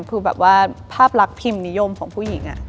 ภาพรักพิมพ์นิยมของผู้หญิง